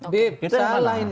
bip salah ini